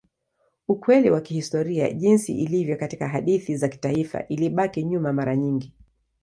Ukweli wa kihistoria jinsi ilivyo katika hadithi za kitaifa ilibaki nyuma mara nyingi.